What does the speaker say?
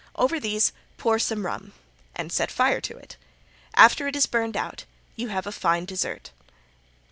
Over these pour some rum and set fire to it. After it is burned out you have a fine dessert."